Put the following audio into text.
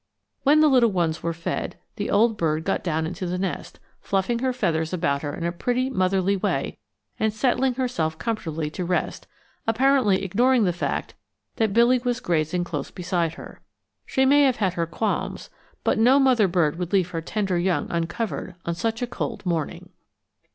When the little ones were fed, the old bird got down in the nest, fluffing her feathers about her in a pretty motherly way and settling herself comfortably to rest, apparently ignoring the fact that Billy was grazing close beside her. She may have had her qualms, but no mother bird would leave her tender young uncovered on such a cold morning.